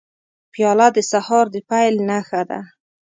پیاله د سهار د پیل نښه ده.